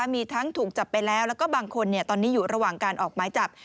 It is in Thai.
มีทั้งถูกจับไปแล้วแล้วก็บางคนตอนนี้อยู่ระหว่างการออกหมายจับ